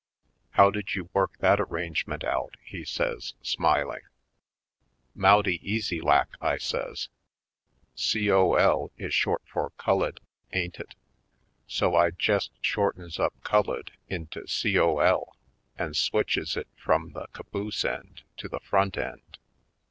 "How did you work that arrangement out?" he says, smiling. "Mouty easy lak," I says. " 'Col.' is short for 'cullid', ain't it? So I jest shortens up 'cullid' into 'Col.' an' switches it frum the caboose end to the front end.